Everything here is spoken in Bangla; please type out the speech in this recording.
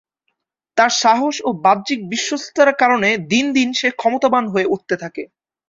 তার সাহস ও বাহ্যিক বিশ্বস্ততার কারণে দিন দিন সে ক্ষমতাবান হয়ে উঠতে থাকে।